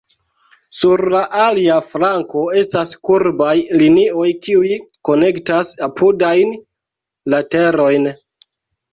Sur la alia flanko estas kurbaj linioj kiuj konektas apudajn laterojn.